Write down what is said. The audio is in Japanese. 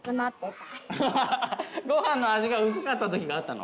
ごはんの味が薄かった時があったの？